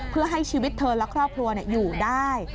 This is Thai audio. เพื่อให้ชีวิตเธอและครอบครัวอยู่ได้